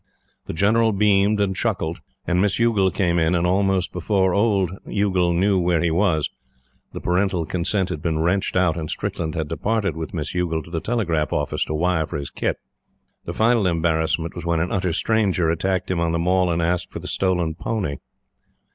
The General beamed, and chuckled, and Miss Youghal came in, and almost before old Youghal knew where he was, the parental consent had been wrenched out and Strickland had departed with Miss Youghal to the Telegraph Office to wire for his kit. The final embarrassment was when an utter stranger attacked him on the Mall and asked for the stolen pony.